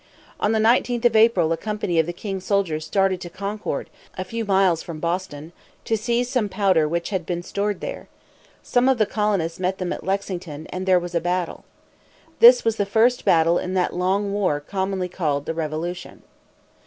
On the 19th of April a company of the king's soldiers started to Concord, a few miles from Boston, to seize some powder which had been stored there. Some of the colonists met them at Lexington, and there was a battle. This was the first battle in that long war commonly called the Revolution.